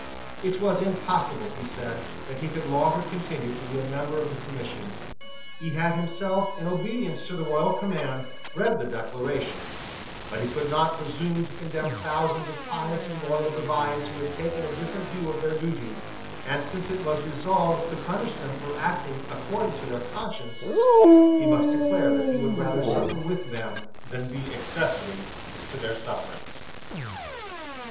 It was impossible, he said, that he could longer continue to be a member of the Commission. He had himself, in obedience to the royal command, read the Declaration: but he could not presume to condemn thousands of pious and loyal divines who had taken a different view of their duty; and, since it was resolved to punish them for acting according to their conscience, he must declare that he would rather suffer with them than be accessary to their sufferings.